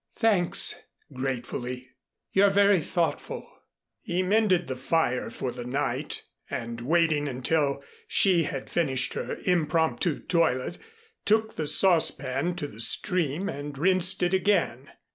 "Thanks," gratefully. "You're very thoughtful." He mended the fire for the night, and waiting until she had finished her impromptu toilet, took the saucepan to the stream and rinsed it again.